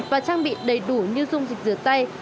và trang bị đầy đủ như dùng dịch dừa tay